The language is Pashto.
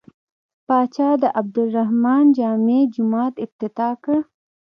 پاچا د عبدالرحمن جامع جومات افتتاح کړ.